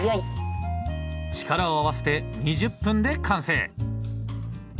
力を合わせて２０分で完成！